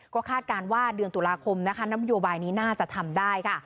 ก็คาดการณ์ว่าเดือนตุลาคมนี้น่าจะทำได้ค่ะ